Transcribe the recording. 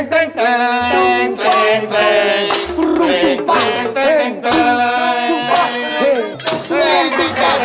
แม่หน้าของพ่อหน้าของพ่อหน้า